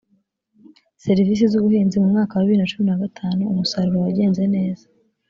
serivisi z’ubuhinzi mu mwaka wa bibili na cumi na gatanu umusaruro wagenze neza